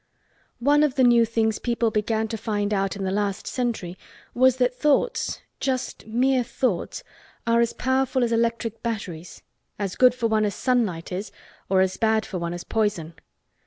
One of the new things people began to find out in the last century was that thoughts—just mere thoughts—are as powerful as electric batteries—as good for one as sunlight is, or as bad for one as poison.